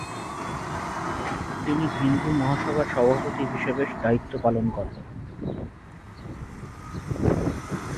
তিনি হিন্দু মহাসভার সভাপতি হিসেবে দায়িত্ব পালন করেন।